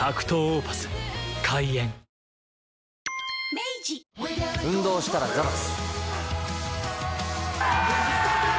明治運動したらザバス。